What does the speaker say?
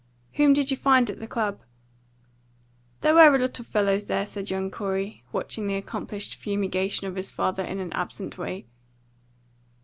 Whom did you find at the club?" "There were a lot of fellows there," said young Corey, watching the accomplished fumigation of his father in an absent way.